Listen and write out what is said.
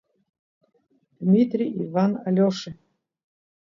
Дмитри, Иван, Алиоша.